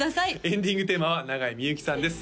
エンディングテーマは永井みゆきさんです